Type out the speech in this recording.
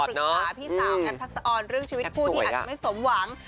ปรึกษาพี่สาวแอฟทักษะออนเรื่องชีวิตคู่ที่อาจจะไม่สมหวัง